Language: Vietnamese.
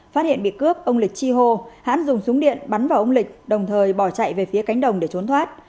phát hiện bị cướp ông lịch chi hô hãn dùng súng điện bắn vào ông lịch đồng thời bỏ chạy về phía cánh đồng để trốn thoát